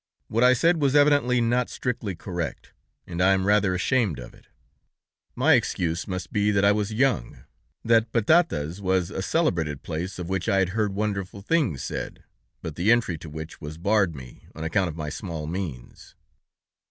What I said was evidently not strictly correct, and I am rather ashamed of it; my excuse must be that I was young, that Patata's was a celebrated place, of which I had heard wonderful things said, but the entry to which was barred me, on account of my small means.